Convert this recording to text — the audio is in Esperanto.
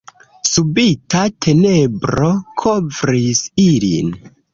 Subita tenebro kovris ilin.